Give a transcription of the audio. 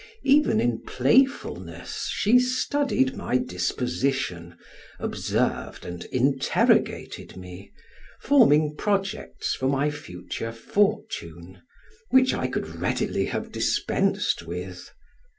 Even in playfulness she studied my disposition, observed and interrogated me, forming projects for my future fortune, which I could readily have dispensed with.